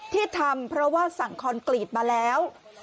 ที่ทำเพราะว่าสั่งคอนกรีตมาแล้ว